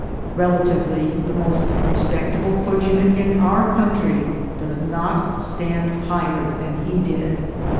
Relatively, the most respectable clergyman in our country does not stand higher than he did.